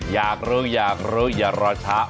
อยากรู้อยากรู้อย่ารอช้า